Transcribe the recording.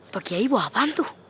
pak kiayi bawa apaan tuh